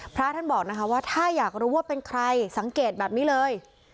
พระท่านบอกนะคะว่าถ้าอยากรู้ว่าเป็นใครสังเกตแบบนี้เลย